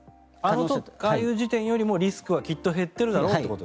ああいう時よりリスクはきっと減っているだろうと。